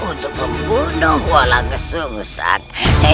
untuk membunuh walang kesusahan